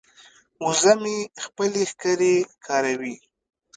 وزه مې خپلې ښکرې کاروي.